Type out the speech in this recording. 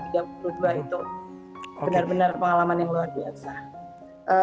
itu benar benar pengalaman yang luar biasa